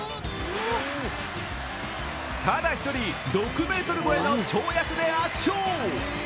ただ１人、６目超えの跳躍で圧勝。